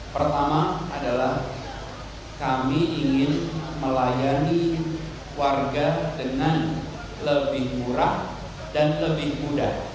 pertama adalah kami ingin melayani warga dengan lebih murah dan lebih mudah